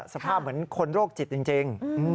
สภาพเหมือนคนโรคจิตจริง